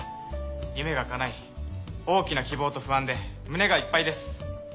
夢がかない大きな希望と不安で胸がいっぱいです。